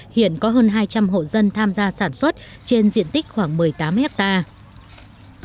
hiện có hơn hai trăm linh hộ dân tham gia sản xuất trên diện tích khoảng một mươi tám hectare